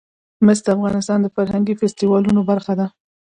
مس د افغانستان د فرهنګي فستیوالونو برخه ده.